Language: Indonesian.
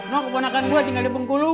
nuh keponakan gua tinggal di pengkulu